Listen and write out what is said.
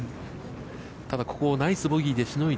ただここをナイスボギーでしのいで。